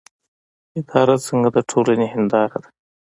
اداره څنګه د ټولنې هنداره ده؟